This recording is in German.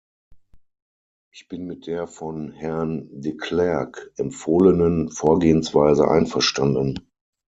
Ich bin mit der von Herrn De Clercq empfohlenen Vorgehensweise einverstanden.